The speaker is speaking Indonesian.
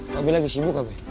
babe lagi sibuk